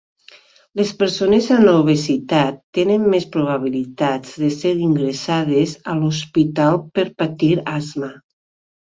Les persones amb obesitat tenen més probabilitats de ser ingressades a l"hospital per patir asma.